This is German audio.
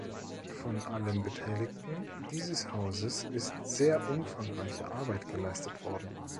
Von allen Beteiligten dieses Hauses ist sehr umfangreiche Arbeit geleistet worden.